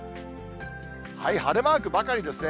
晴れマークばかりですね。